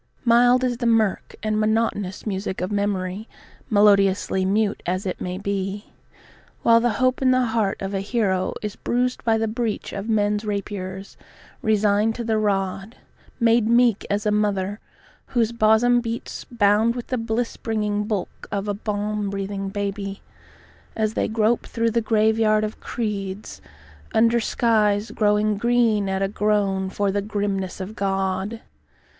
Mild is the mirk and monotonous music of memory, melodiously mute as it may be, While the hope in the heart of a hero is bruised by the breach of men's rapiers, resigned to the rod; Made meek as a mother whose bosom beats bound with the bliss bringing bulk of a balm breathing baby, As they grope through the graveyard of creeds, under skies growing green at a groan for the grimness of God.